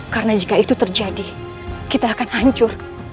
karena jika itu terjadi kita akan hancur